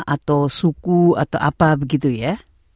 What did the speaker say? atau suku atau apa begitu ya